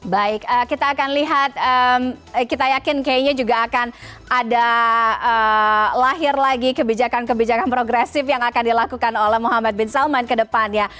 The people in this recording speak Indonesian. baik kita akan lihat kita yakin kayaknya juga akan ada lahir lagi kebijakan kebijakan progresif yang akan dilakukan oleh muhammad bin salman ke depannya